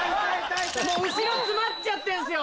もう後ろ詰まっちゃってるんですよ！